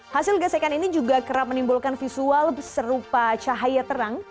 hasil gesekan ini juga kerap menimbulkan visual serupa cahaya terang